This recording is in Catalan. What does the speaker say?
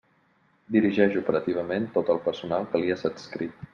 Dirigeix operativament tot el personal que li és adscrit.